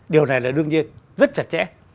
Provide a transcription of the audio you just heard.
điều này là đương nhiên rất chặt chẽ